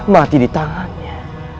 mati di tangannya